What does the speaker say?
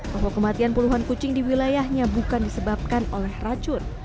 bahwa kematian puluhan kucing di wilayahnya bukan disebabkan oleh racun